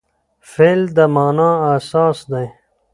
فعل د مانا اساس دئ.